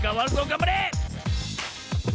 がんばれ！